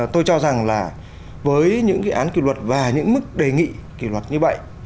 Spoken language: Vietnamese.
tôi cho rằng là với những cái án kỳ luật và những mức đề nghị kỳ luật như vậy